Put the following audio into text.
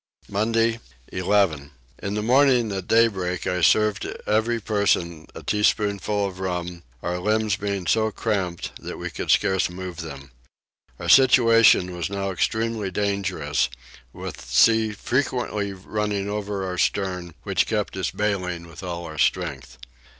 Monday 11. In the morning at daybreak I served to every person a teaspoonful of rum, our limbs being so cramped that we could scarce move them. Our situation was now extremely dangerous, the sea frequently running over our stern, which kept us baling with all our strength.